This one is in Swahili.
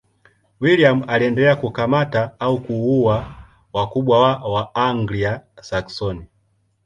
William aliendelea kukamata au kuua wakubwa wa Waanglia-Saksoni.